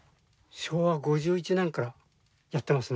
昭和５１年からやってますので。